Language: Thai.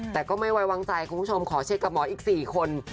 แต่ก็ไม่ไว้วางใจคุณผู้ชมขอเช็คกับหมออีก๔คน